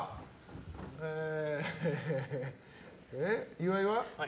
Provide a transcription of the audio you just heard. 岩井は？